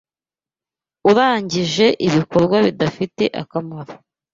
Urangije ibikorwa bidafite akamaro